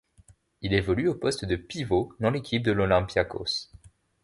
Il évolue au poste de pivot dans l'équipe de l'Olympiakós.